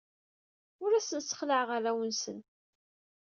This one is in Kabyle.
Ur asen-ssexlaɛeɣ arraw-nsen.